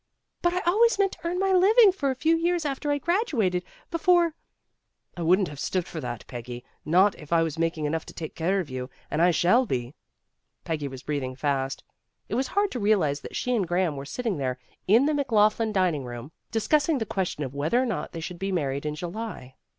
"But I always meant to earn my living for a few years after I graduated, before " "I wouldn't have stood for that, Peggy, not if I was making enough to take care of you, and I shall be." Peggy was breathing fast. It was hard to realize that she and Graham were sitting there in the McLaughlin dining room, discussing the question of whether or not they should be married in July.